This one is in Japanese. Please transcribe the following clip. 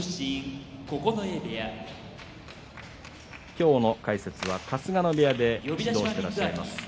今日の解説は春日野部屋で指導していらっしゃいます